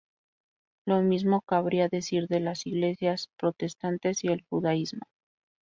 Lo mismo cabría decir de las iglesias protestantes, y del judaísmo.